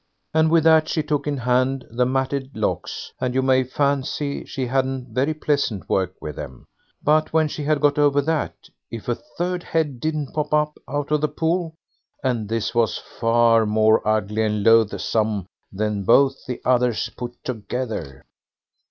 And with that she took in hand the matted locks, and you may fancy she hadn't very pleasant work with them. But when she had got over that, if a third head didn't pop up out of the pool, and this was far more ugly and loathsome than both the others put together.